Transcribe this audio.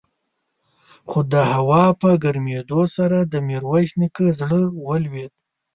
خو د هوا په ګرمېدو سره د ميرويس نيکه زړه ولوېد.